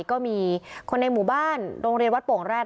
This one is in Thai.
ก็มีคนในหมู่บ้านโรงเรียนวัดโป่งแรด